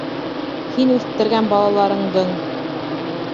Һин үҫтергән балаларыңдың.